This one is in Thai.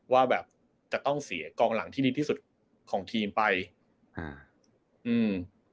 ว่าแบบจะต้องเสียกองหลังที่ดีที่สุดของทีมไปอ่าอืม